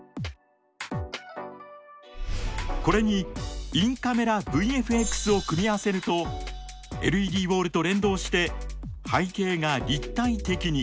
これにインカメラＶＦＸを組み合わせるとＬＥＤウォールと連動して背景が立体的に！